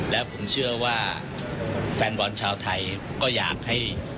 และผมเชื่อว่าแฟนบอลชาวไทยก็อยากให้